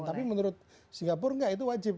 tapi menurut singapura enggak itu wajib